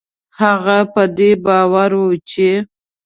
هغه په دې باور و چې